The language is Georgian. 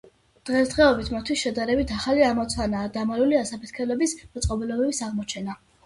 დღესდღეობით მათთვის შედარებით ახალი ამოცანაა დამალული ასაფეთქებელი მოწყობილობების აღმოჩენა.